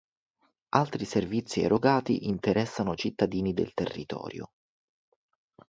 Altri servizi erogati interessano cittadini del territorio.